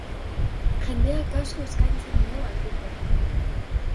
Jendeak asko eskaintzen dio albokoari.